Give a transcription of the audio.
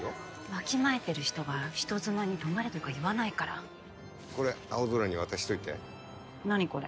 わきまえてる人が人妻に泊まれとか言わないからこれ青空に渡しといて何これ？